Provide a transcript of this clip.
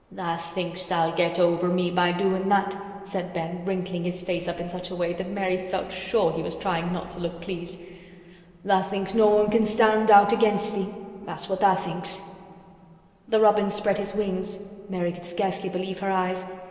"Tha' thinks tha'll get over me by doin' that," said Ben, wrinkling his face up in such a way that Mary felt sure he was trying not to look pleased. "Tha' thinks no one can stand out against thee—that's what tha' thinks." The robin spread his wings—Mary could scarcely believe her eyes.